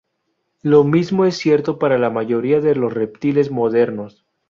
Lo mismo es cierto para la mayoría de los reptiles modernos.